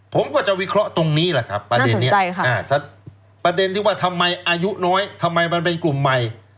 ผมก็จะวิเคราะห์ตรงนี้แหละครับประเด็นนี้ประเด็นที่ว่าทำไมอายุน้อยทำไมมันเป็นกลุ่มใหม่